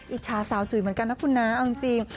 อิจฉาสาวจุ๋ยเหมือนกันนะคุณน้าเอาจริง